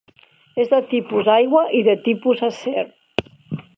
És de tipus aigua i de tipus acer.